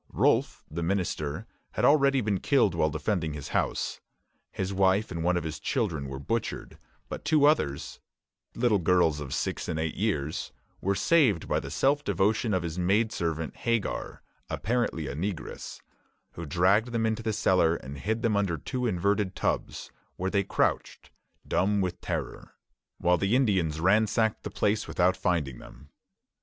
Rolfe, the minister, had already been killed while defending his house. His wife and one of his children were butchered; but two others little girls of six and eight years were saved by the self devotion of his maid servant, Hagar, apparently a negress, who dragged them into the cellar and hid them under two inverted tubs, where they crouched, dumb with terror, while the Indians ransacked the place without finding them.